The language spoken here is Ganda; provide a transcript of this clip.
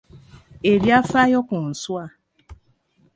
Ebyafaayo ku nswa.